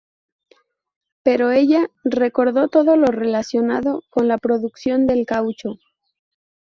Pero ella recordó todo lo relacionado con la producción del caucho.